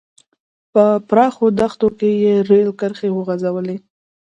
په پراخو دښتو کې یې رېل کرښې وغځولې.